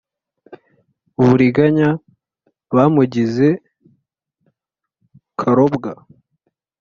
uburiganya bamugize karobwa.